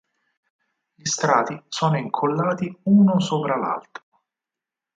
Gli strati sono incollati uno sopra l'altro.